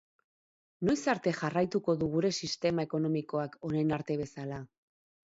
Noiz arte jarraituko du gure sistema ekonomikoak orain arte bezala?